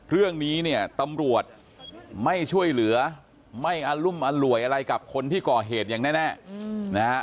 เรื่องนี้เนี่ยตำรวจไม่ช่วยเหลือไม่อรุมอร่วยอะไรกับคนที่ก่อเหตุอย่างแน่นะฮะ